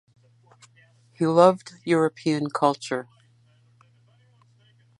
He loved European culture.